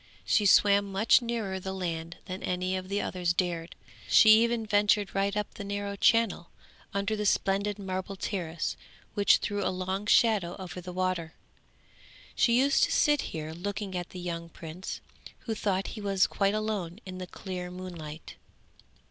She swam much nearer the land than any of the others dared; she even ventured right up the narrow channel under the splendid marble terrace which threw a long shadow over the water. She used to sit here looking at the young prince, who thought he was quite alone in the clear moonlight.